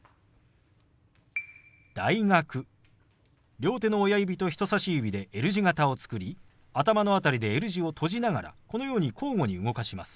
両手の親指と人さし指でＬ字型を作り頭の辺りでＬ字を閉じながらこのように交互に動かします。